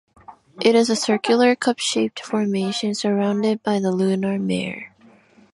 It is a circular, cup-shaped formation surrounded by the lunar mare.